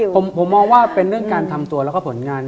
ผมมองว่าเป็นเรื่องการทำตัวแล้วก็ผลงาน